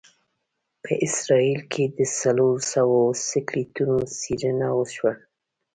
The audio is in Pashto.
په اسرایل کې د څلوروسوو سکلیټونو څېړنه وشوه.